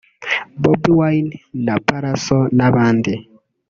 Bobi Wayne na Pallaso n'abandi